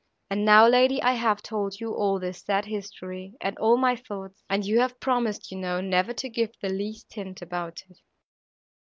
And now, lady, I have told you all this sad history, and all my thoughts, and you have promised, you know, never to give the least hint about it."